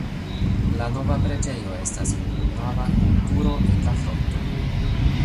La nova preĝejo estas ununava kun turo en la fronto.